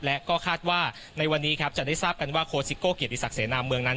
และก็คาดว่าในวันนี้ครับจะได้ทราบกันว่าโคสิโก้เกียรติศักดิเสนาเมืองนั้น